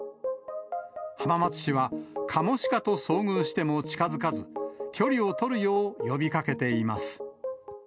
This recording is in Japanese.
浜松市はカモシカと遭遇しても近づかず、距離を取るよう呼びかけています。